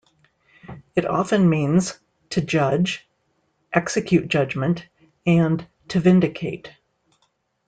It often means "to judge", "execute judgment" and "to vindicate".